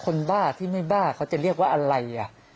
บ้าที่ไม่บ้าเขาจะเรียกว่าอะไร